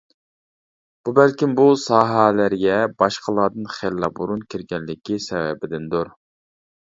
بۇ بەلكىم بۇ ساھەلەرگە باشقىلاردىن خېلىلا بۇرۇن كىرگەنلىكى سەۋەبىدىندۇر.